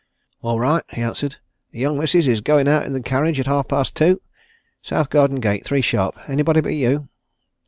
"All right," he answered. "The young missis is going out in the carriage at half past two. South Garden gate three sharp. Anybody but you?"